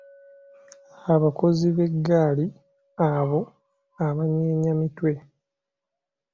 "Abakozi b’eggaali, abo abanyeenya mitwe."